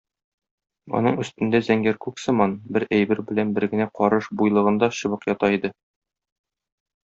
Аның өстендә зәңгәр күк сыман бер әйбер белән бер генә карыш буйлыгында чыбык ята иде.